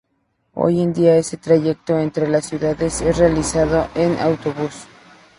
Hoy en día ese trayecto entre las ciudades es realizado en autobús.